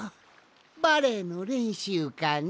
バレエのれんしゅうかね？